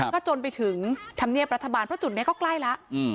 ก็จนไปถึงธรรมเนียบรัฐบาลเพราะจุดนี้ก็ใกล้แล้ว